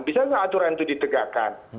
bisa nggak aturan itu ditegakkan